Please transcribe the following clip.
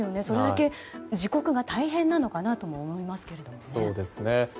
それだけ自国が大変なのかなとも思いますけれどね。